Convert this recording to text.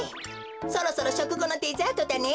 そろそろしょくごのデザートだね。